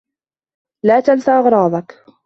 لا تنس أغراضك.